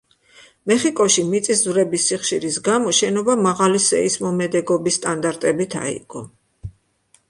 მეხიკოში მიწისძვრების სიხშირის გამო შენობა მაღალი სეისმომედეგობის სტანდარტებით აიგო.